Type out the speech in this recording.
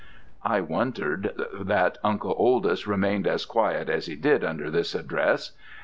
"I wondered that Uncle Oldys remained as quiet as he did under this address.